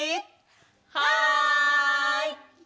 はい！